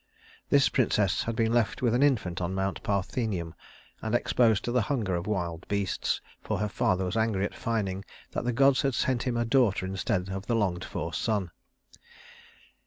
This princess had been left when an infant on Mount Parthenium, and exposed to the hunger of wild beasts, for her father was angry at finding that the gods had sent him a daughter instead of the longed for son.